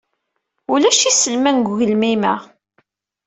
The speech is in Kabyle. Ulac iselman deg ugelmim-a.